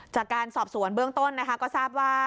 จากการสอบสวนเบื้องต้นนะคะก็ทราบว่า